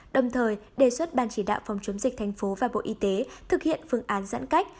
đồng thời đề xuất ban chỉ đạo phòng chống dịch thành phố và bộ y tế thực hiện phương án giãn cách